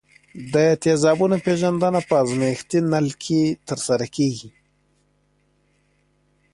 د تیزابونو پیژندنه په ازمیښتي نل کې ترسره کیږي.